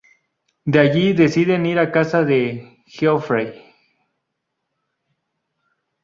De allí deciden ir a casa de Geoffrey.